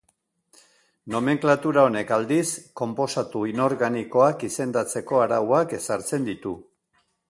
Nomenklatura honek aldiz, konposatu inorganikoak izendatzeko arauak ezartzen ditu.